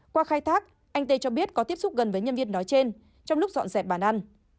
qua khai thác anh tê cho biết có tiếp xúc gần với nhân viên nói trên trong lúc dọn dẹp bàn ăn